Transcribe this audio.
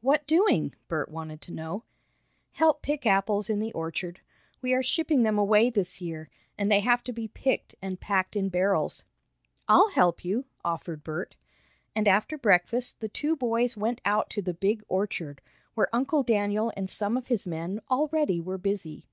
"What doing?" Bert wanted to know. "Help pick apples in the orchard. We are shipping them away this year, and they have to be picked, and packed in barrels." "I'll help you," offered Bert, and, after breakfast, the two boys went out to the big orchard, where Uncle Daniel and some of his men already were busy.